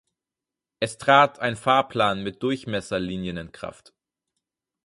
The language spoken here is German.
Es trat ein Fahrplan mit Durchmesserlinien in Kraft.